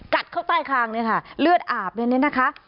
กัดเข้าใต้ข้างเนี่ยค่ะเลือดอาบในเนี่ยนะคะ